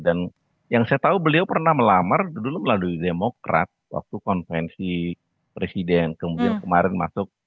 dan yang saya tahu beliau pernah melamar dulu melalui demokrat waktu konvensi presiden kemudian kemarin masuk